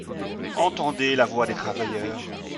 Entendez la voix des travailleurs